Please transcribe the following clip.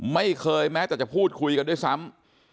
ไม่เคยแม้แต่จะพูดคุยกันด้วยซ้ำ